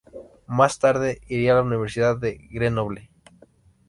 Más tarde iría a la Universidad de Grenoble.